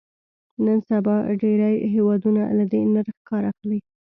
نن سبا ډېری هېوادونه له دې نرخ کار اخلي.